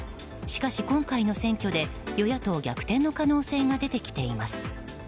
しかし、今回の選挙で与野党逆転の可能性が出てきています。